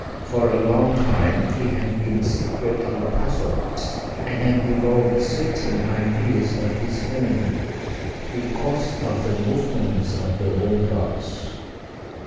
For a long time he had been secretly puzzled, and had evolved certain ideas of his own because of the movements of the Woongas.